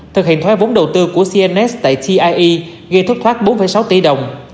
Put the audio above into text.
thực hiện thoái vốn đầu tư của cns tại tie gây thất thoát bốn sáu tỷ đồng